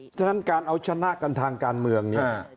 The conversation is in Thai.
ฉะนั้นการเอาชนะกันทางการเมืองเนี่ย